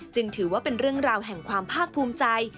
ถือว่าเป็นเรื่องราวแห่งความภาคภูมิใจ